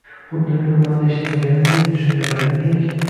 Xuddi men ularni eshitmaganim, tushunmaganimdek…»